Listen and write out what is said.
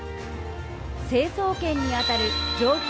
成層圏に当たる上空